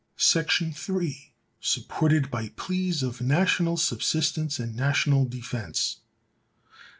§ 3. —supported by pleas of national subsistence and national defense.